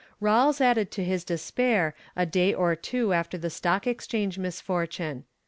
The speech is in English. Rawles added to his despair a day or two after the Stock Exchange misfortune.